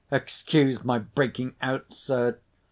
Excuse my breaking out, sir.